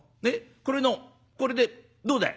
これのこれでどうだい？」。